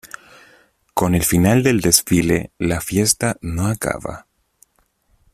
Con el final del desfile la fiesta no acaba.